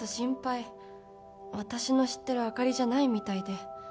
「私の知ってる朱里じゃないみたいで」